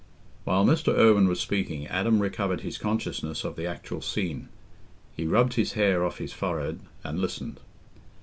While Mr. Irwine was speaking, Adam recovered his consciousness of the actual scene. He rubbed his hair off his forehead and listened.